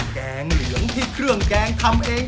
แกงเหลืองที่เครื่องแกงทำเอง